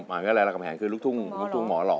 หมายว่าอะไรลังคมแห่งคือลูกทุ่งหมอหลอ